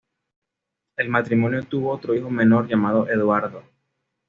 El matrimonio tuvo otro hijo menor, llamado Eduardo.